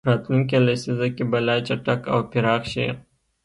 راتلونکې لسیزه کې به لا چټک او پراخ شي.